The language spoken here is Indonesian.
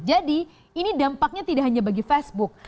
jadi ini dampaknya tidak hanya bagi facebook